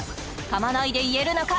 かまないで言えるのか？